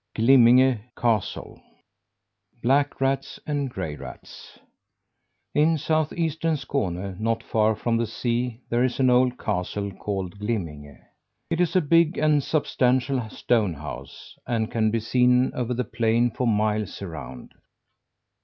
GLIMMINGE CASTLE BLACK RATS AND GRAY RATS In south eastern Skåne not far from the sea there is an old castle called Glimminge. It is a big and substantial stone house; and can be seen over the plain for miles around.